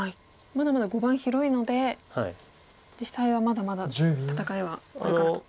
まだまだ碁盤広いので実際はまだまだ戦いはこれからと。